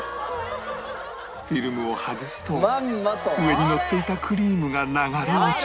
フィルムを外すと上にのっていたクリームが流れ落ち